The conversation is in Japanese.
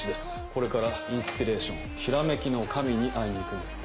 これからインスピレーションひらめきの神に会いに行くんです。